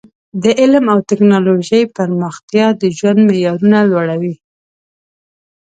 د علم او ټکنالوژۍ پراختیا د ژوند معیارونه لوړوي.